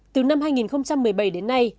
từ năm hai nghìn một mươi bảy đến nay